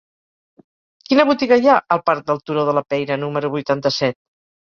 Quina botiga hi ha al parc del Turó de la Peira número vuitanta-set?